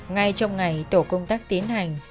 ngay trong ngày tổ công tác tiến hành